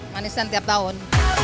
manisan tiap tahun